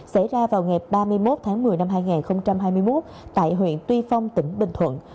xảy ra vào ngày ba mươi một tháng một mươi năm hai nghìn hai mươi một tại huyện tuy phong tỉnh bình thuận